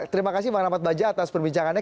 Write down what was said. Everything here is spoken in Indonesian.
terima kasih bang ramad bajah atas perbincangannya